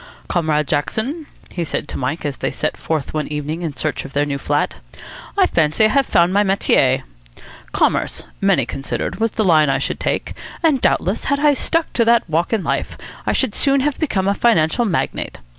"Comrade Jackson," he said to Mike, as they set forth one evening in search of their new flat, "I fancy I have found my metier. Commerce, many considered, was the line I should take; and doubtless, had I stuck to that walk in life, I should soon have become a financial magnate.